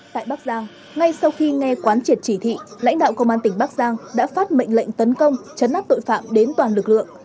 tại bắc giang ngay sau khi nghe quán triệt chỉ thị lãnh đạo công an tỉnh bắc giang đã phát mệnh lệnh tấn công chấn áp tội phạm đến toàn lực lượng